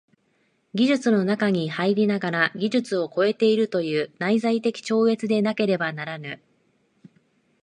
技術の中に入りながら技術を超えているという内在的超越でなければならぬ。